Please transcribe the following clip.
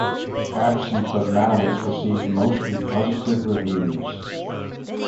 "Absence of Malice" received mostly positive reviews.